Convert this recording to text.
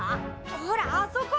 ほらあそこ！